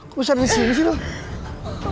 bisa di sini di sini dong